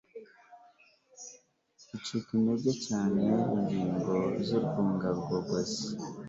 Gicika intege cyane ingingo zurwunganongogozi